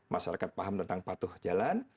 masyarakat paham tentang patuh jalan